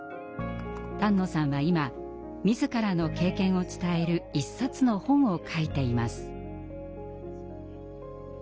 丹野さんは今自らの経験を伝える１冊の本を書いています。